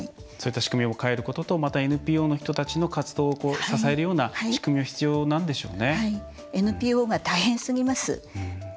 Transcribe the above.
そういった仕組みを変えることとＮＰＯの方々の活動を支えるような仕組みがＮＰＯが大変すぎます。